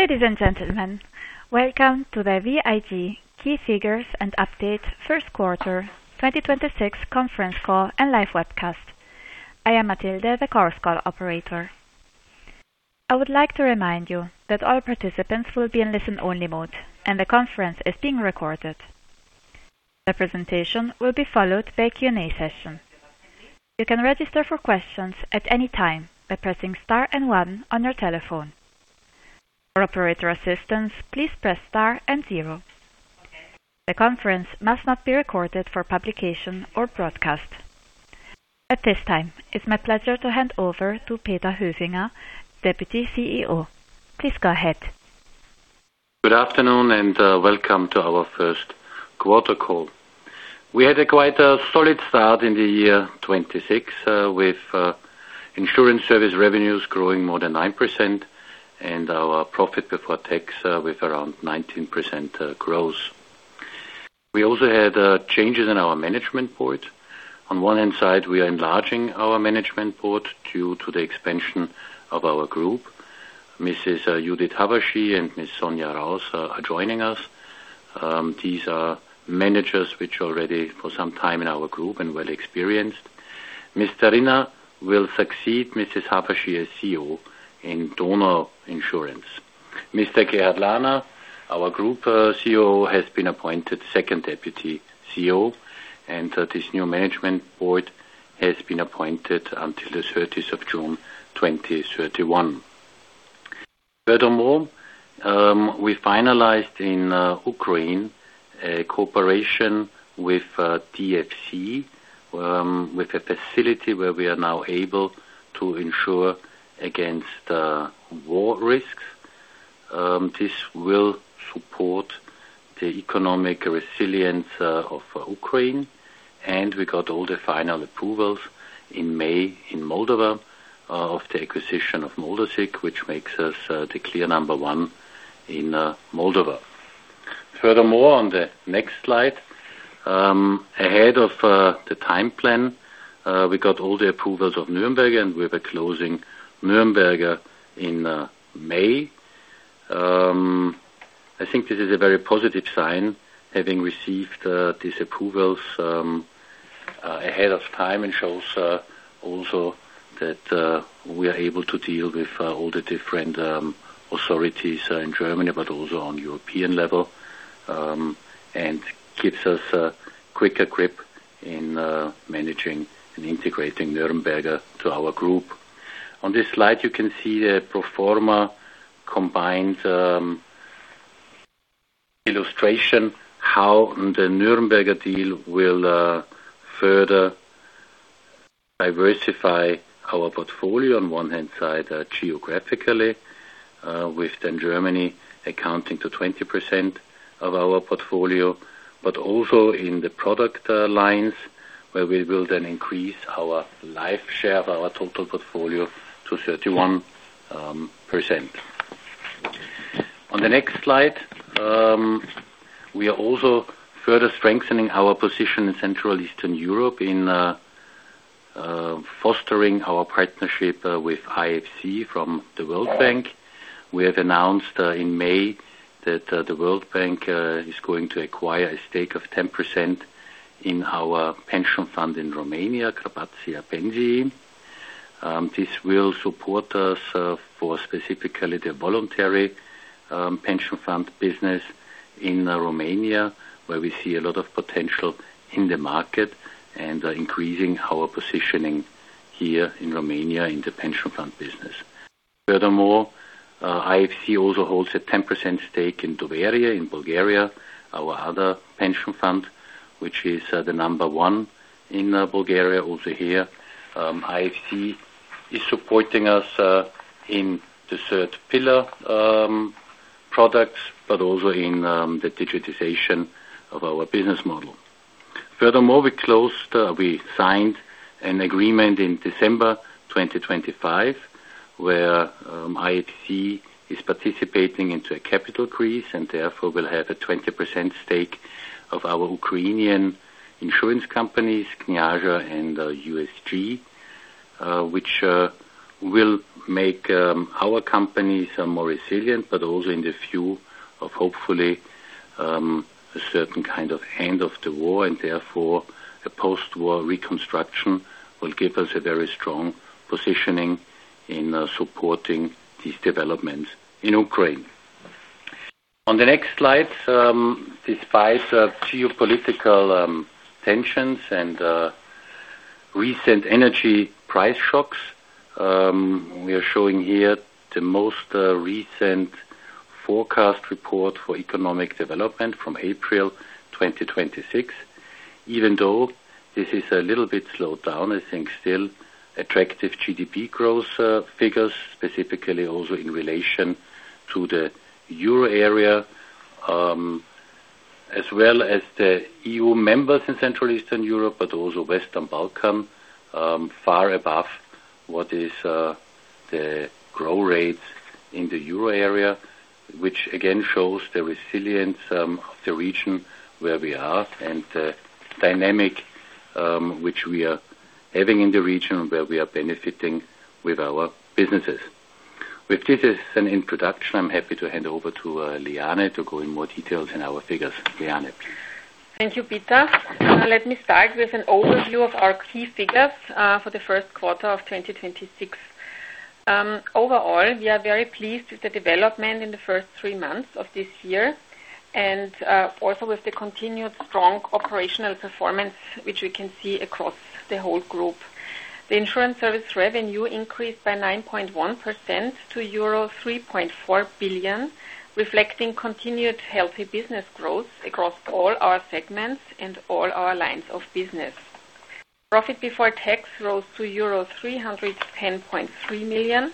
Ladies and gentlemen, welcome to the VIG Key Figures and Update First Quarter 2026 conference call and live webcast. I am Matilda, the conference call operator. I would like to remind you that all participants will be in listen-only mode and the conference is being recorded. The presentation will be followed by a Q&A session. You can register for questions at any time by pressing star and one on your telephone. For operator assistance, please press star and zero. The conference must not be recorded for publication or broadcast. At this time, it's my pleasure to hand over to Peter Höfinger, Deputy CEO. Please go ahead. Good afternoon and welcome to our first quarter call. We had quite a solid start in the year 2026, with insurance service revenues growing more than 9%, and our profit before tax with around 19% growth. We also had changes in our management board. On one hand side, we are enlarging our management board due to the expansion of our group. Mrs. Judit Havasi and Ms. Sonja Raus are joining us. These are managers which are already for some time in our group and well-experienced. Mr. Harald Riener will succeed Mrs. Havasi as CEO in DONAU Versicherung. Mr. Gerhard Lahner, our Group COO, has been appointed Second Deputy CEO, and this new management board has been appointed until the 30th of June 2031. We finalized in Ukraine a cooperation with DFC, with a facility where we are now able to insure against war risks. This will support the economic resilience of Ukraine. We got all the final approvals in May in Moldova, of the acquisition of Moldasig, which makes us the clear number one in Moldova. Furthermore, on the next slide, ahead of the time plan, we got all the approvals of Nürnberger and we're closing Nürnberger in May. I think this is a very positive sign, having received these approvals ahead of time and shows also that we are able to deal with all the different authorities in Germany, but also on European level, and gives us a quicker grip in managing and integrating Nürnberger to our group. On this slide, you can see a pro forma combined illustration, how the Nürnberger deal will further diversify our portfolio. On one hand side, geographically, with then Germany accounting to 20% of our portfolio, but also in the product lines, where we will then increase our life share of our total portfolio to 31%. On the next slide, we are also further strengthening our position in Central Eastern Europe in fostering our partnership with IFC from the World Bank. We have announced in May that the World Bank is going to acquire a stake of 10% in our pension fund in Romania, Carpathia Pensii. This will support us for specifically the voluntary pension fund business in Romania, where we see a lot of potential in the market and increasing our positioning here in Romania in the pension fund business. Furthermore, IFC also holds a 10% stake in Doverie in Bulgaria, our other pension fund, which is the number one in Bulgaria. Here, IFC is supporting us in the third pillar products, but also in the digitization of our business model. We signed an agreement in December 2025, where IFC is participating into a capital increase and therefore will have a 20% stake of our Ukrainian insurance companies, Kniazha and USG, which will make our companies more resilient, but also in the view of hopefully, a certain kind of end of the war, and therefore the post-war reconstruction will give us a very strong positioning in supporting these developments in Ukraine. On the next slide, despite geopolitical tensions and recent energy price shocks, we are showing here the most recent forecast report for economic development from April 2026. Even though this is a little bit slowed down, I think still attractive GDP growth figures, specifically also in relation to the euro area, as well as the EU members in Central and Eastern Europe, but also Western Balkans, far above what is the growth rates in the euro area, which again shows the resilience of the region where we are and the dynamic which we are having in the region where we are benefiting with our businesses. With this as an introduction, I'm happy to hand over to Liane to go in more details in our figures. Liane. Thank you, Peter. Let me start with an overview of our key figures for the first quarter of 2026. Overall, we are very pleased with the development in the first three months of this year and also with the continued strong operational performance, which we can see across the whole group. The insurance service revenue increased by 9.1% to euro 3.4 billion, reflecting continued healthy business growth across all our segments and all our lines of business. Profit before tax rose to euro 310.3 million.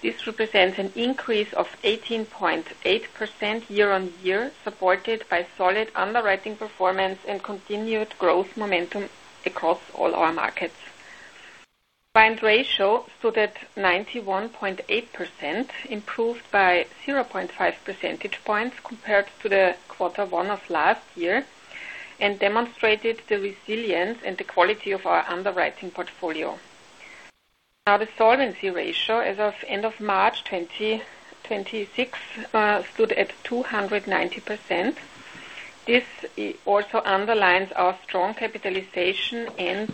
This represents an increase of 18.8% year-on-year, supported by solid underwriting performance and continued growth momentum across all our markets. Combined ratio stood at 91.8%, improved by 0.5 percentage points compared to the quarter one of last year, and demonstrated the resilience and the quality of our underwriting portfolio. Now, the solvency ratio as of end of March 2026 stood at 290%. This also underlines our strong capitalization and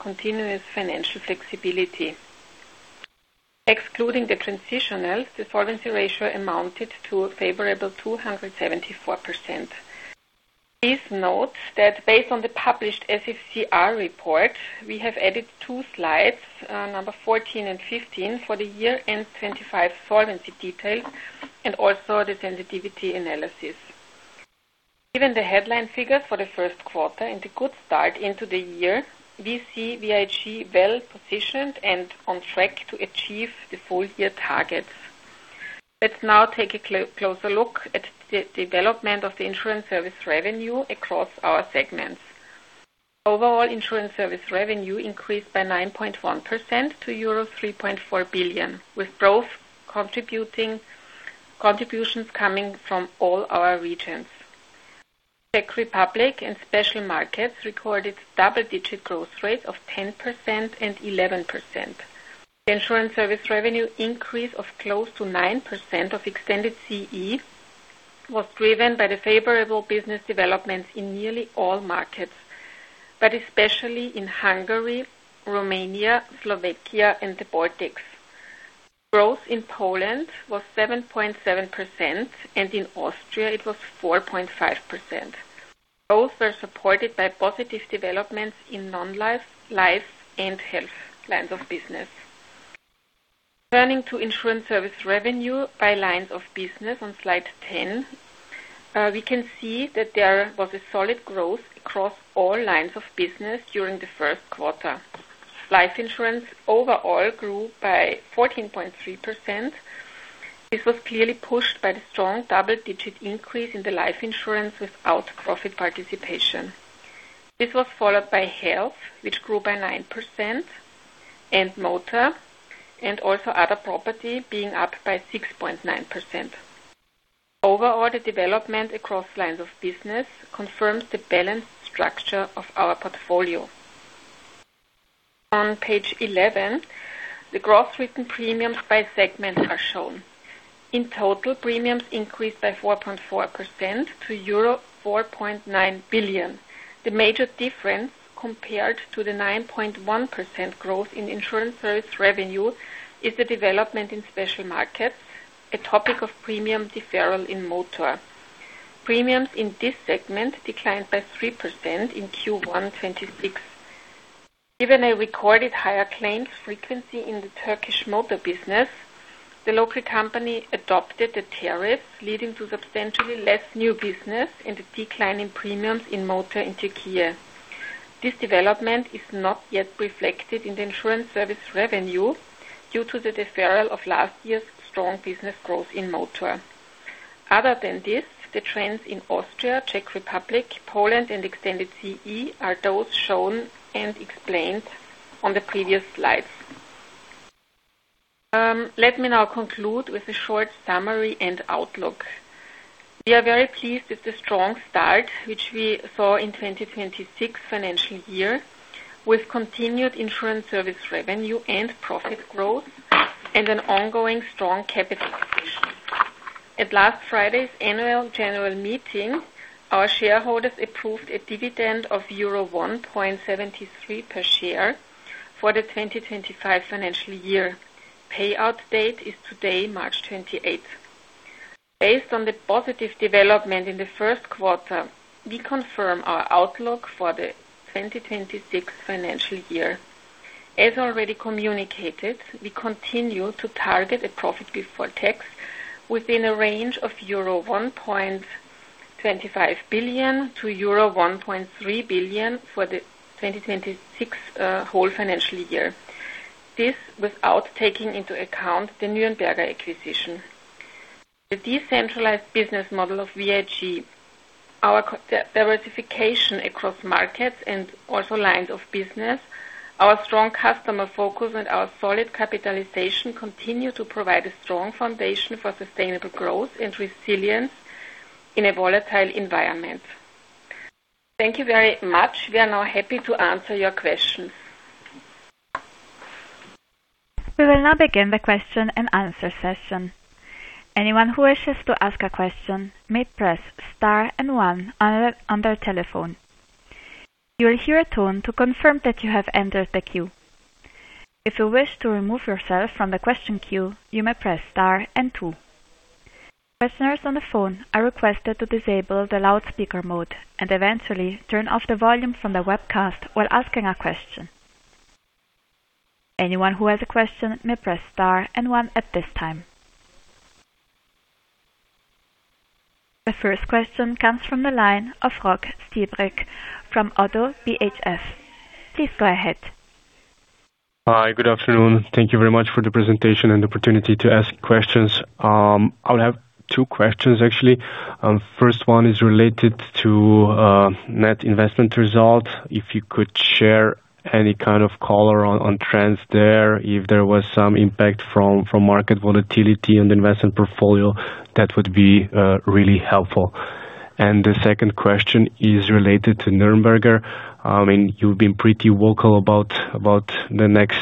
continuous financial flexibility. Excluding the transitional, the solvency ratio amounted to a favorable 274%. Please note that based on the published SFCR report, we have added two slides, number 14 and 15, for the year-end 2025 solvency details and also the sensitivity analysis. Given the headline figures for the first quarter and the good start into the year, we see VIG well positioned and on track to achieve the full-year targets. Let's now take a closer look at the development of the insurance service revenue across our segments. Overall, insurance service revenue increased by 9.1% to euro 3.4 billion, with growth contributions coming from all our regions. Czech Republic and Special Markets recorded double-digit growth rate of 10% and 11%. The insurance service revenue increase of close to 9% of Extended CEE was driven by the favorable business developments in nearly all markets, but especially in Hungary, Romania, Slovakia, and the Baltics. Growth in Poland was 7.7%, and in Austria it was 4.5%. Both were supported by positive developments in non-life, life, and health lines of business. Turning to insurance service revenue by lines of business on slide 10, we can see that there was a solid growth across all lines of business during the first quarter. Life insurance overall grew by 14.3%. This was clearly pushed by the strong double-digit increase in the life insurance without profit participation. This was followed by health, which grew by 9%, and motor, and also other property being up by 6.9%. Overall, the development across lines of business confirms the balanced structure of our portfolio. On page 11, the gross written premiums by segment are shown. In total, premiums increased by 4.4% to euro 4.9 billion. The major difference compared to the 9.1% growth in insurance service revenue is the development in Special Markets, a topic of premium deferral in motor. Premiums in this segment declined by 3% in Q1 2026. Given a recorded higher claims frequency in the Turkish motor business, the local company adopted a tariff leading to substantially less new business and a decline in premiums in motor in Turkey. This development is not yet reflected in the insurance service revenue due to the deferral of last year's strong business growth in motor. Other than this, the trends in Austria, Czech Republic, Poland and Extended CEE are those shown and explained on the previous slides. Let me now conclude with a short summary and outlook. We are very pleased with the strong start, which we saw in 2026 financial year, with continued insurance service revenue and profit growth and an ongoing strong capitalization. At last Friday's annual general meeting, our shareholders approved a dividend of euro 1.73 per share for the 2025 financial year. Payout date is today, March 28th. Based on the positive development in the first quarter, we confirm our outlook for the 2026 financial year. As already communicated, we continue to target a profit before tax within a range of euro 1.25 billion to euro 1.3 billion for the 2026 whole financial year. This without taking into account the Nürnberger acquisition. The decentralized business model of VIG, our diversification across markets and also lines of business, our strong customer focus and our solid capitalization continue to provide a strong foundation for sustainable growth and resilience in a volatile environment. Thank you very much. We are now happy to answer your questions. We will now begin the question and answer session. Anyone who wishes to ask a question may press star and one on their telephone. You will hear a tone to confirm that you have entered the queue. If you wish to remove yourself from the question queue, you may press star and two. Questioners on the phone are requested to disable the loudspeaker mode and eventually turn off the volume from the webcast while asking a question. Anyone who has a question may press star and one at this time. The first question comes from the line of Rok Stibrič from Oddo BHF. Please go ahead. Hi. Good afternoon. Thank you very much for the presentation and the opportunity to ask questions. I'll have two questions, actually. First one is related to net investment result. If you could share any kind of color on trends there, if there was some impact from market volatility and investment portfolio, that would be really helpful. The second question is related to Nürnberger. You've been pretty vocal about the next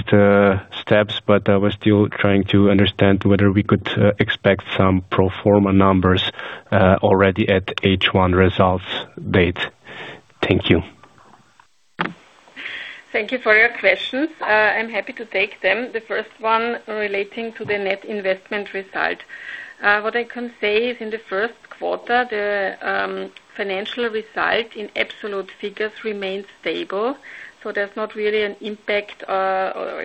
steps, but I was still trying to understand whether we could expect some pro forma numbers already at H1 results date. Thank you. Thank you for your questions. I'm happy to take them. The first one relating to the net investment result. What I can say is in the first quarter, the financial result in absolute figures remained stable. There's not really a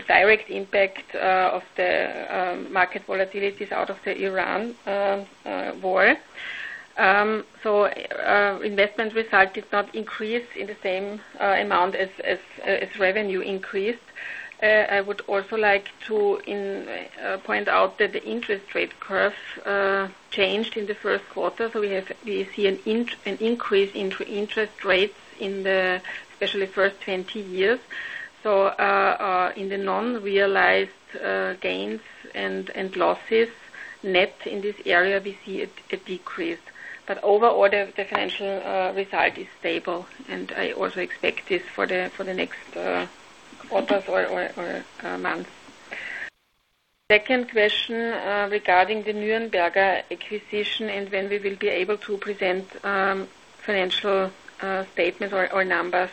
direct impact of the market volatilities out of the Iran war. Investment result did not increase in the same amount as revenue increased. I would also like to point out that the interest rate curve changed in the first quarter. We see an increase in interest rates in the, especially first 20 years. In the non-realized gains and losses net in this area, we see a decrease, but overall, the financial result is stable and I also expect this for the next quarters or months. Second question regarding the Nürnberger acquisition and when we will be able to present financial statements or numbers.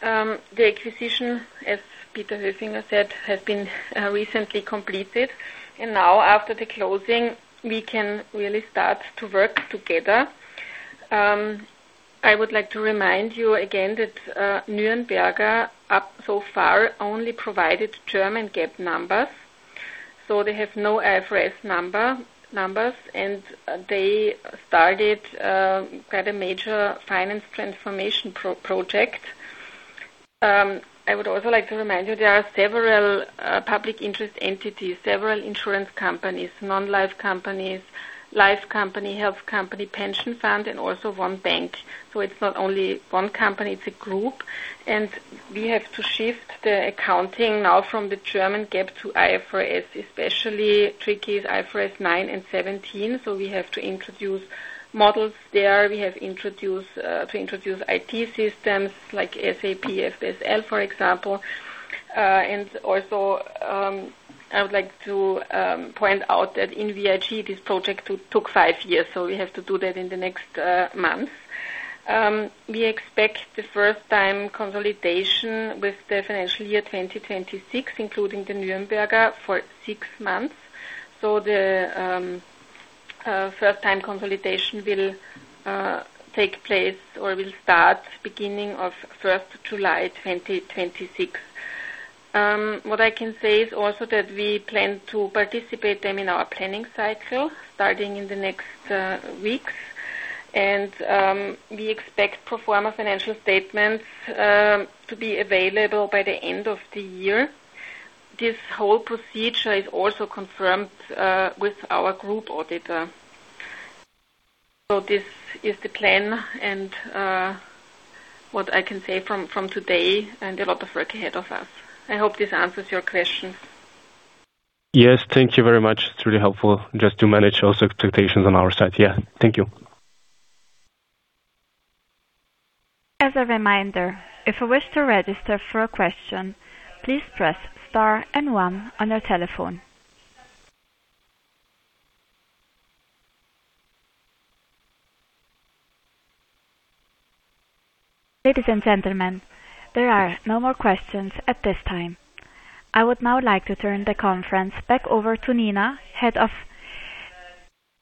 The acquisition, as Peter Höfinger said, has been recently completed. Now after the closing, we can really start to work together. I would like to remind you again that Nürnberger up so far only provided German GAAP numbers. They have no IFRS numbers and they started quite a major finance transformation project. I would also like to remind you there are several public interest entities, several insurance companies, non-life companies, life company, health company, pension fund, and also one bank. It's not only one company, it's a group. We have to shift the accounting now from the German GAAP to IFRS. Especially tricky is IFRS 9 and 17. We have to introduce models there. We have to introduce IT systems like SAP FPSL, for example. Also, I would like to point out that in VIG, this project took five years, so we have to do that in the next months. We expect the first-time consolidation with the financial year 2026, including the Nürnberger for six months. The first-time consolidation will take place or will start beginning of 1st July 2026. What I can say is also that we plan to participate them in our planning cycle starting in the next weeks. We expect pro forma financial statements to be available by the end of the year. This whole procedure is also confirmed with our group auditor. This is the plan and what I can say from today, and a lot of work ahead of us. I hope this answers your question. Yes. Thank you very much. It is really helpful just to manage those expectations on our side. Yeah. Thank you. Ladies and gentlemen, there are no more questions at this time. I would now like to turn the conference back over to Nina.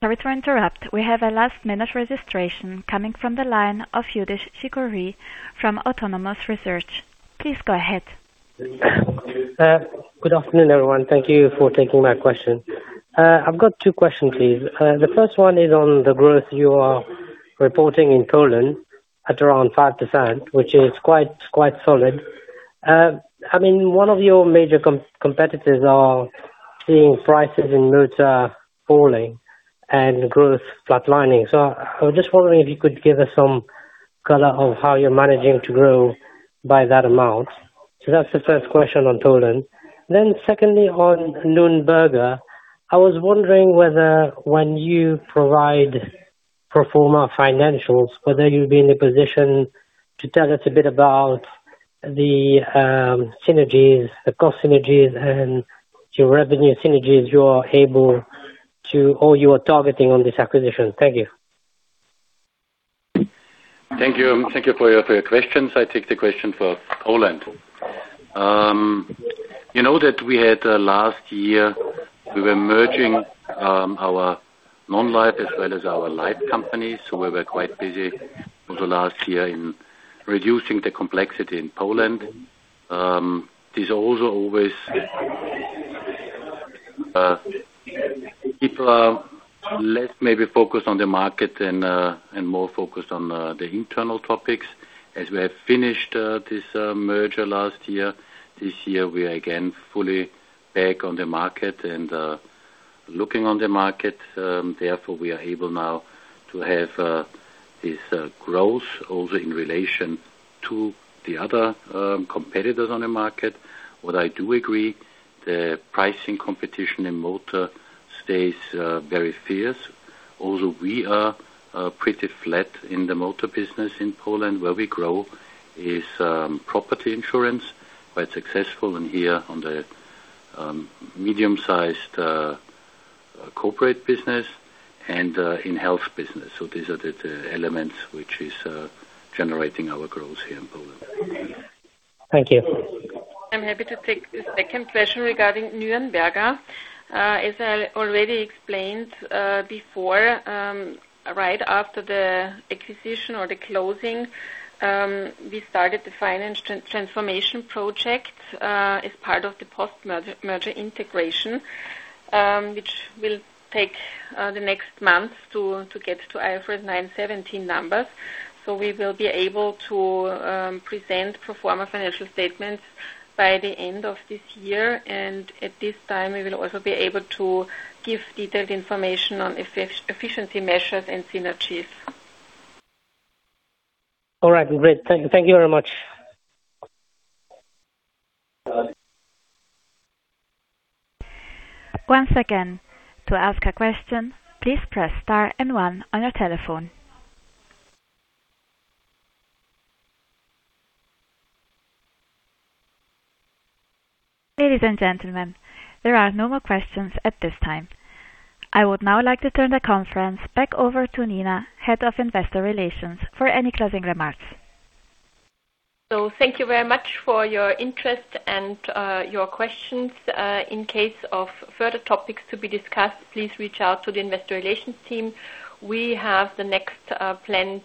Sorry to interrupt. We have a last-minute registration coming from the line of Yudesh Chicooree from Autonomous Research. Please go ahead. Good afternoon, everyone. Thank you for taking my question. I've got two questions, please. The first one is on the growth you are reporting in Poland at around 5%, which is quite solid. One of your major competitors are seeing prices in motor falling and growth flatlining. I was just wondering if you could give us some color of how you're managing to grow by that amount. That's the first question on Poland. Secondly, on Nürnberger, I was wondering whether when you provide pro forma financials, whether you'll be in a position to tell us a bit about the synergies, the cost synergies, and your revenue synergies you are able to, or you are targeting on this acquisition. Thank you. Thank you for your questions. I take the question for Poland. You know that we had last year, we were merging our non-life as well as our life companies, so we were quite busy over the last year in reducing the complexity in Poland. This also always, people are less maybe focused on the market and more focused on the internal topics. As we have finished this merger last year, this year, we are again fully back on the market and looking on the market. Therefore, we are able now to have this growth also in relation to the other competitors on the market. What I do agree, the pricing competition in motor stays very fierce. Also, we are pretty flat in the motor business in Poland. Where we grow is property insurance, quite successful in here on the medium-sized corporate business and in health business. These are the elements which is generating our growth here in Poland. Thank you. I'm happy to take the second question regarding Nürnberger. As I already explained before, right after the acquisition or the closing, we started the finance transformation project as part of the post-merger integration, which will take the next month to get to IFRS 9 and IFRS 17 numbers. We will be able to present pro forma financial statements by the end of this year. At this time, we will also be able to give detailed information on efficiency measures and synergies. All right. Great. Thank you very much. Once again, to ask a question, please press star and one on your telephone. Ladies and gentlemen, there are no more questions at this time. I would now like to turn the conference back over to Nina, Head of Investor Relations, for any closing remarks. Thank you very much for your interest and your questions. In case of further topics to be discussed, please reach out to the investor relations team. We have the next planned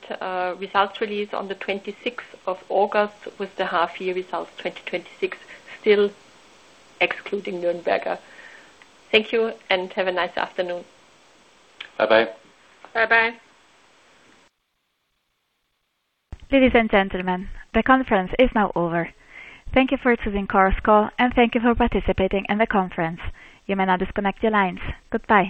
results release on the 26th of August with the half year results 2026, still excluding Nürnberger. Thank you, and have a nice afternoon. Bye-bye. Bye-bye. Ladies and gentlemen, the conference is now over. Thank you for attending today's call, and thank you for participating in the conference. You may now disconnect your lines. Goodbye.